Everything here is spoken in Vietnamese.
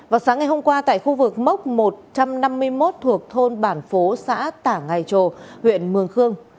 vào sáng ngày hôm qua tại khu vực mốc một trăm năm mươi một thuộc thôn bản phố xã tả ngài trồ huyện mường khương